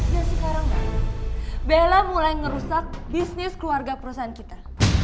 ya sekarang bella mulai ngerusak bisnis keluarga perusahaan kita